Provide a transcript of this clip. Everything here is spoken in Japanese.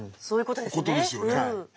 そういう事ですね。